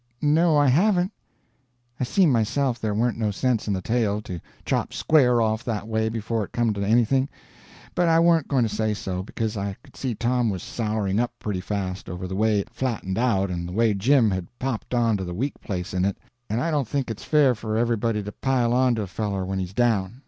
"No, I haven't." I see myself there warn't no sense in the tale, to chop square off that way before it come to anything, but I warn't going to say so, because I could see Tom was souring up pretty fast over the way it flatted out and the way Jim had popped on to the weak place in it, and I don't think it's fair for everybody to pile on to a feller when he's down.